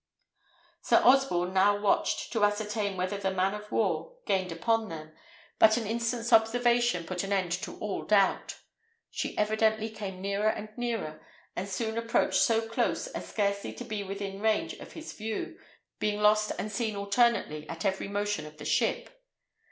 Sir Osborne now watched to ascertain whether the man of war gained upon them, but an instant's observation put an end to all doubt. She evidently came nearer and nearer, and soon approached so close as scarcely to be within range of his view, being lost and seen alternately at every motion of the ship.